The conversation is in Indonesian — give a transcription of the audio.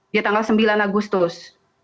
di tanggal sembilan agustus